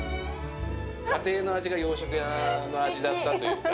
家庭の味が洋食屋の味だったというか。